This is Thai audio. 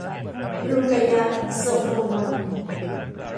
รูไกยะฮ์ ทรงโกมล